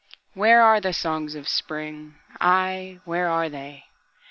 Where are the songs of Spring? Ay, where are they?